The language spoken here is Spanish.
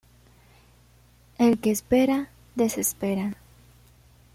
El que espera, desespera